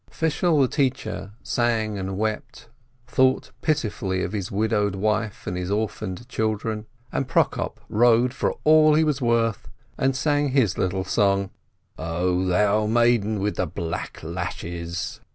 Fishel the teacher sang and wept and thought piti fully of his widowed wife and his orphaned children, and Prokop rowed for all he was worth, and sang his little song: "0 thou maiden with the black lashes